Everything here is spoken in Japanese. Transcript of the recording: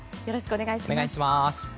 よろしくお願いします。